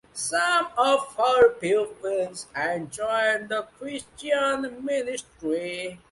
Some of her pupils and joined the Christian ministry.